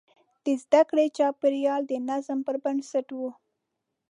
د زده کړې چاپېریال د نظم پر بنسټ و.